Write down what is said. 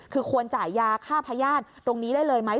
คือควรจ่ายยาฆ่าพญาติตรงนี้ได้เลยไหม